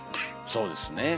そうですね。